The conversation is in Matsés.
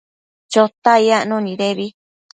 Chotac yacno nidebi